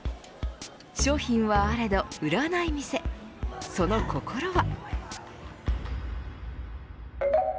商品はあれど、売らない店その心は。